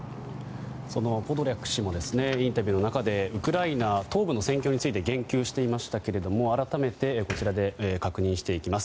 そのポドリャク氏のインタビューの中でウクライナ東部の戦況について言及していましたが改めて、確認していきます。